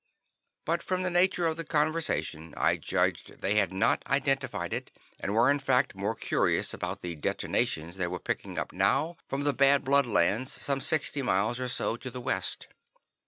But from the nature of the conversation, I judged they had not identified it, and were, in fact, more curious about the detonations they were picking up now from the Bad Blood lands some sixty miles or so to the west.